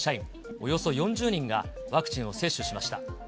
およそ４０人がワクチンを接種しました。